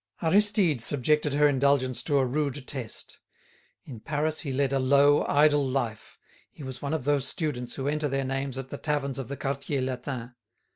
Aristide subjected her indulgence to a rude test. In Paris he led a low, idle life; he was one of those students who enter their names at the taverns of the Quartier Latin.